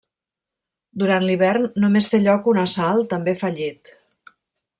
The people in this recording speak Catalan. Durant l'hivern només té lloc un assalt, també fallit.